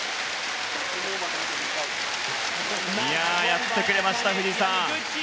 やってくれました、藤井さん。